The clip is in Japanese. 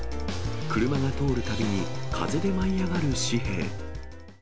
車が通るたびに風で舞い上がる紙幣。